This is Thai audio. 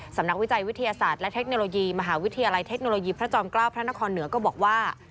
วิจัยวิทยาศาสตร์และเทคโนโลยีมหาวิทยาลัยเทคโนโลยีพระจอมเกล้าพระนครเหนือก็บอกว่า